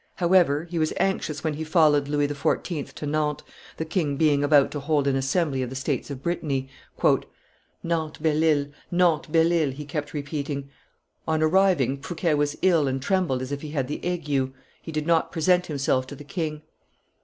However, he was anxious when he followed Louis XIV. to Nantes, the king being about to hold an assembly of the states of Brittany. "Nantes, Belle Ile! Nantes, Belle Ile!" he kept repeating. On arriving, Fouquet was ill and trembled as if he had the ague; he did not present himself to the king.